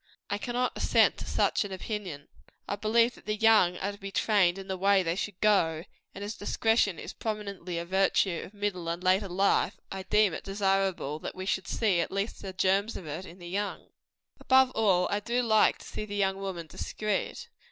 I cannot assent to such an opinion. I believe that the young are to be trained in the way they should go; and as discretion is prominently a virtue of middle and later life, I deem it desirable that we should see at least the germs of it in the young. Above all, do I like to see the young woman discreet.